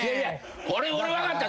これ俺分かった。